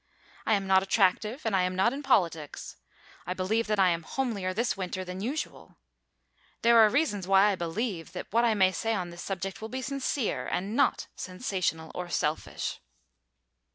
I am not attractive and I am not in politics. I believe that I am homelier this winter than usual. There are reasons why I believe that what I may say on this subject will be sincere and not sensational or selfish.